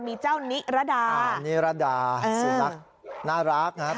มีเจ้านิรดานิรดาสุนัขน่ารักนะครับ